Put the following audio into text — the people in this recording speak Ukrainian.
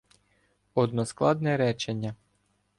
Односкладне речення